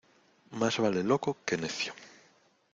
Más vale loco que necio.